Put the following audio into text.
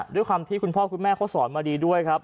ด้วยความที่คุณพ่อคุณแม่เขาสอนมาดีด้วยครับ